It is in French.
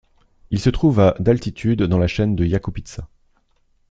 Il se trouve à d'altitude, dans la chaîne de la Yakoupitsa.